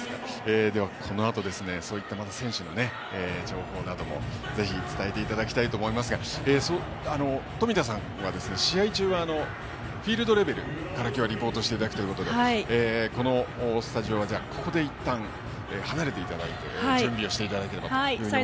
このあと、そういった選手の情報などもぜひ伝えていただきたいと思いますが冨田さんは試合中はフィールドレベルから今日はリポートをしていただくということでこのスタジオはここでいったん離れていただき準備をしていただきます。